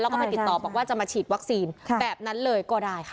แล้วก็มาติดตอบว่าจะมาฉีดแบบนั้นเลยก็ได้ค่ะ